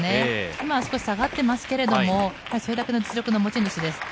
今は少し下がっていますけれども、それだけの実力の持ち主です。